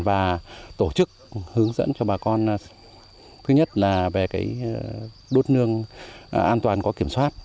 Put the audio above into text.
và tổ chức hướng dẫn cho bà con thứ nhất là về đốt nương an toàn có kiểm soát